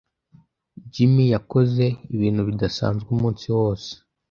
Jim yakoze ibintu bidasanzwe umunsi wose.